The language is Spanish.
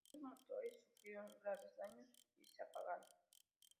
Ambos motores sufrieron graves daños, y, se apagaron.